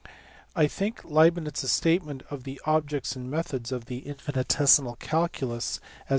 I think that Leibnitz s statement of the objects and methods of the infinitesimal calculus as LEIBNITZ.